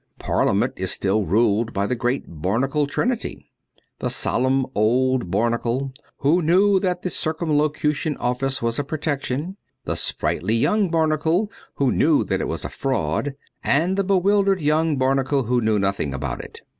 Parliament is still ruled by the great Barnacle trinity — the solemn old Barn acle, who knew that the Circumlocution Office was a protection ; the sprightly young Barnacle, who knew that it was a fraud ; and the bewildered young Barnacle who knew nothing about it.